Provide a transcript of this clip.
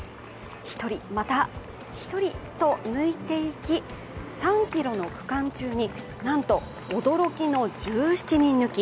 １人、また１人と抜いていき、３ｋｍの区中になんと驚きの１７人抜き。